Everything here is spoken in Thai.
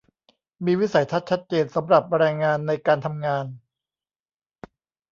มีวิสัยทัศน์ชัดเจนสำหรับแรงงานในการทำงาน